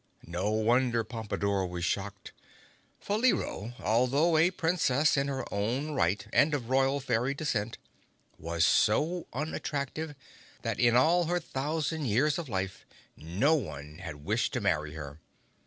No wonder Pompadore was shocked. Faleero, although a Princess in her own right and of royal fairy descent, was so unattractive that in all her thousand years of life no one had wished to marry her.